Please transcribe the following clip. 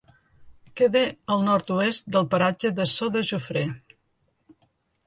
Queda al nord-oest del paratge de Ço de Jofré.